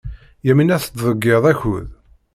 Yamina tettḍeyyiɛ akud.